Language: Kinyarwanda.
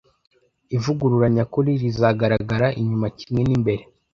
ivugurura nyakuri rizagaragara inyuma kimwe n'imbere